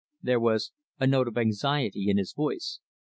There was a note of anxiety in his voice.